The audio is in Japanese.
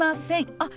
あっ。